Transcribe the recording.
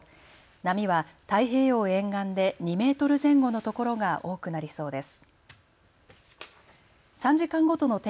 波は太平洋沿岸で２メートル前後のところが多くなりそうです。